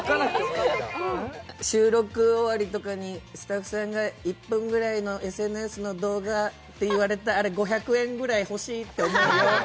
収録終わりとかにスタッフさんが１分ぐらいのＳＮＳの動画って言われて、あれ５００円ぐらい欲しいって思うよ。